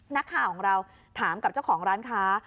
นักข่าวของเราถามกับเจ้าของร้านค้า